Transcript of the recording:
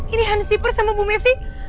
ini hantu bersama bu messi